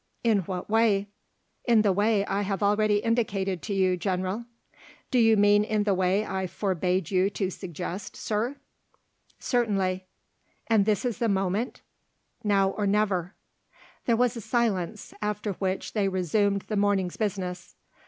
"In what way?" "In the way I have already indicated to you, General." "Do you mean in the way I forbade you to suggest, Sir?" "Certainly." "And this is the moment?" "Now or never." There was a silence, after which they resumed the morning's business.